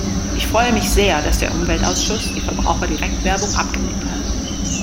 Ich freue mich sehr, dass der Umweltausschuss die Verbraucherdirektwerbung abgelehnt hat.